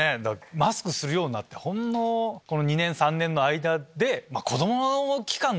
マスクするようになってほんの２年３年の間で。